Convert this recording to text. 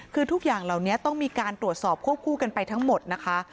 คือทุกอย่างเหล่านี้ต้องมีการตรวจสอบควบคู่กันไปทั้งหมดนะคะ